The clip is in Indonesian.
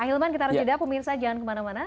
akhilman kita rajada pemirsa jangan kemana mana